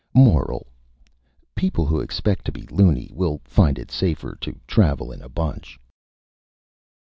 MORAL: _People who expect to be Luny will find it safer to travel in a Bunch.